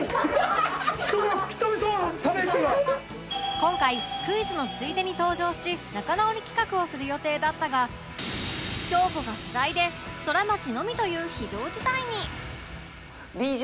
今回クイズのついでに登場し仲直り企画をする予定だったが京子が不在でソラマチのみという非常事態に